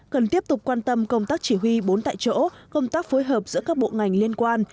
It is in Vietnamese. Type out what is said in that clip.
cần tiếp tục quan tâm công tác chỉ huy bốn tại chỗ công tác phối hợp giữa các bộ ngành liên quan